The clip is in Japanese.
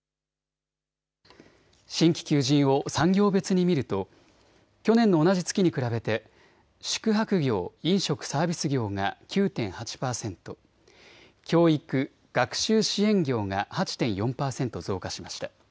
新規求人を産業別に見ると去年の同じ月に比べて宿泊業・飲食サービス業が９．８％、教育・学習支援業が８．４％増加しました。